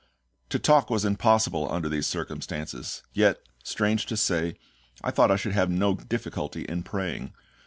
To talk was impossible under these circumstances; yet, strange to say, I thought I should have no difficulty in praying.